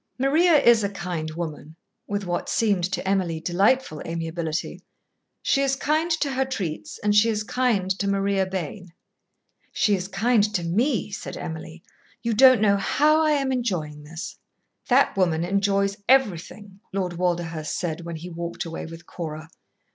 "Maria is a kind woman" with what seemed to Emily delightful amiability. "She is kind to her treats and she is kind to Maria Bayne." "She is kind to me," said Emily. "You don't know how I am enjoying this." "That woman enjoys everything," Lord Walderhurst said when he walked away with Cora.